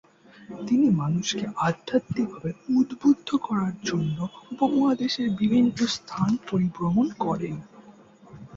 তিনি মানুষকে আধ্যাত্মিক ভাবে উদ্বুদ্ধ করার জন্য উপমহাদেশের বিভিন্ন স্থান পরিভ্রমণ করেন।